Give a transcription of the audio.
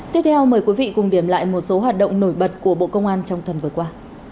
tiếp theo mời quý vị cùng điểm lại một số hoạt động nổi bật của bộ công an trong tuần vừa qua